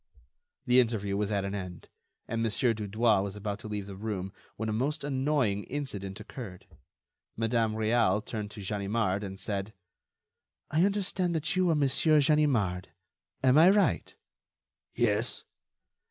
The interview was at an end, and Mon. Dudouis was about to leave the room when a most annoying incident occurred. Madame Réal turned to Ganimard, and said: "I understand that you are Monsieur Ganimard. Am I right?" "Yes."